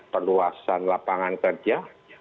perluasan lapangan kerja